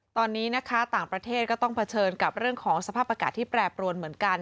ตอนนี้นะคะต่างประเทศก็ต้องเผชิญกับเรื่องของสภาพอากาศที่แปรปรวนเหมือนกัน